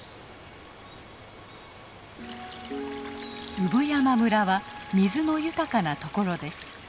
産山村は水の豊かな所です。